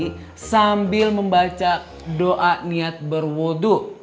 ketiga kali sambil membaca doa niat berwudu